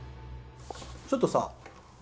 ちょっとさ尚